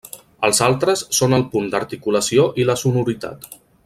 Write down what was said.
Els altres són el punt d'articulació i la sonoritat.